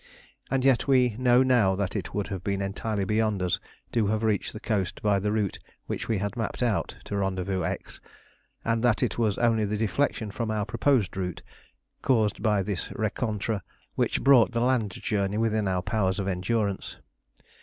And yet we know now that it would have been entirely beyond us to have reached the coast by the route which we had mapped out to Rendezvous X, and that it was only the deflection from our proposed route caused by this rencontre which brought the land journey within our powers of endurance.